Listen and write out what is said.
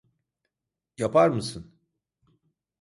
Yapar mısın?